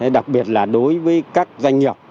đặc biệt là đối với các doanh nghiệp